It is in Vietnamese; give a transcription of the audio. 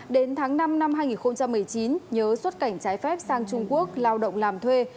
đến tháng năm năm hai nghìn một mươi chín nhớ xuất cảnh trái phép sang trung quốc lao động làm thuê